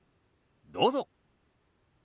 どうぞ。